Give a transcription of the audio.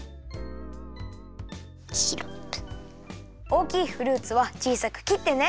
おおきいフルーツはちいさくきってね。